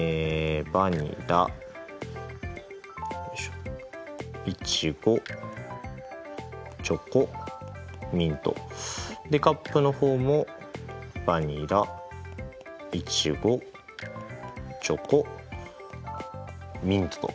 バニラいちごチョコミント。でカップの方もバニラいちごチョコミントと。